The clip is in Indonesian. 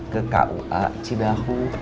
ke kua cidahu